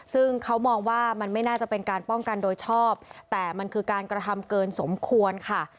ซึ่งเขามองว่ามันไม่น่าจะเป็นการป้องกันโดยชอบแต่มันคือการกระทำเกินสมควรค่ะ